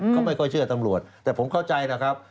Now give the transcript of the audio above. เขาไม่ค่อยเชื่อตำรวจแต่ผมเข้าใจนะครับ